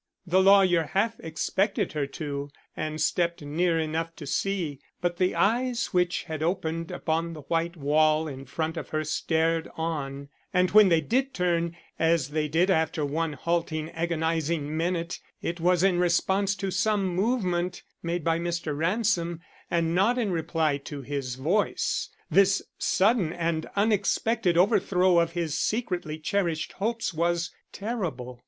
The lawyer half expected her to and stepped near enough to see, but the eyes which had opened upon the white wall in front of her stared on, and when they did turn, as they did after one halting, agonizing minute, it was in response to some movement made by Mr. Ransom and not in reply to his voice. This sudden and unexpected overthrow of his secretly cherished hopes was terrible.